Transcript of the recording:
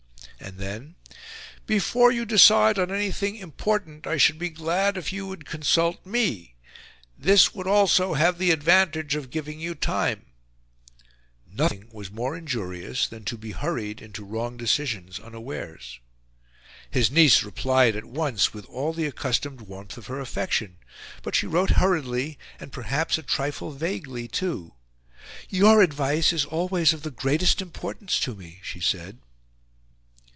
And then "before you decide on anything important I should be glad if you would consult me; this would also have the advantage of giving you time;" nothing was more injurious than to be hurried into wrong decisions unawares. His niece replied at once with all the accustomed warmth of her affection; but she wrote hurriedly and, perhaps, a trifle vaguely too. "YOUR advice is always of the GREATEST IMPORTANCE to me," she said.